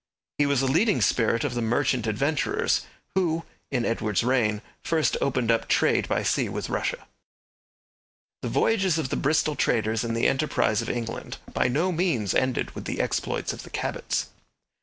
He was a leading spirit of the Merchant Adventurers who, in Edward's reign, first opened up trade by sea with Russia. The voyages of the Bristol traders and the enterprise of England by no means ended with the exploits of the Cabots.